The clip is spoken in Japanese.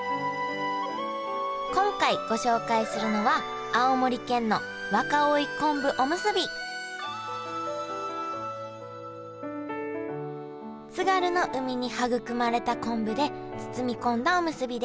今回ご紹介するのは津軽の海に育まれた昆布で包み込んだおむすびです。